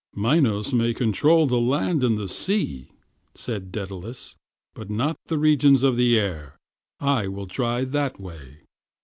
"Minos may control the land and sea," said Daedalus, "but not the regions of the air. I will try that way."